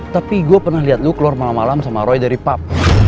tapi gue pernah liat lo keluar malam malam sama roy dari pub